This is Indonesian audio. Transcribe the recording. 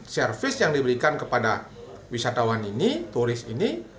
servis yang diberikan kepada wisatawan ini turis ini